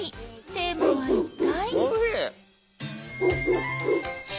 テーマは一体？